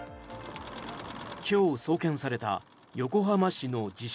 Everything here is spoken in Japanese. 今日送検された横浜市の自称